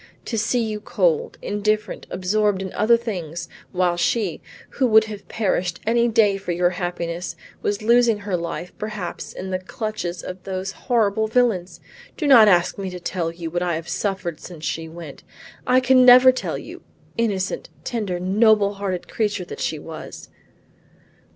To see you cold, indifferent, absorbed in other things, while she, who would have perished any day for your happiness, was losing her life perhaps in the clutches of those horrible villains! Do not ask me to tell you what I have suffered since she went; I can never tell you, innocent, tender, noble hearted creature that she was."